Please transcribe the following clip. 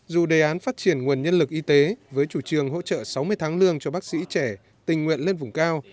dù đề án phát triển nguồn nhân lực y tế với chủ trương hỗ trợ sáu mươi tháng lương cho bác sĩ trẻ tình nguyện lên vùng cao